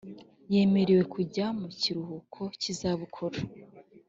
yemerewe kujya mu kiruhuko cy’izabukuru